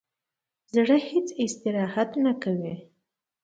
زړه هیڅ استراحت نه کوي.